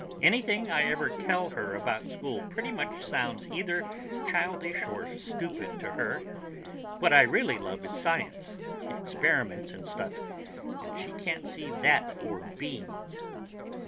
"Anything I ever tell her about school pretty much sounds either childish or stupid to her. What I really love is science—experiments and stuff—and she can't see that for beans."